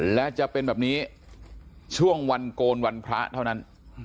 และจะเป็นแบบนี้ช่วงวันโกนวันพระเท่านั้น